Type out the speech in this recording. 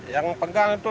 yang pegang itu